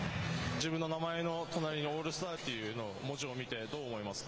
自分の名前の隣のオールスターという文字を見て、どう思いますか？